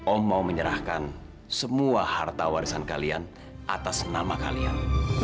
om mau menyerahkan semua harta warisan kalian atas nama kalian